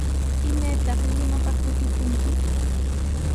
¿Imaytaq Limapa kutikunki?